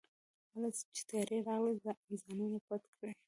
هلته چې طيارې راغلې ځانونه پټ کړئ.